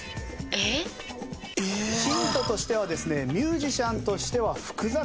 えーっ？ヒントとしてはですね。